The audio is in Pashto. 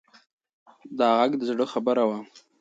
دا غږ د زړه خبره وه.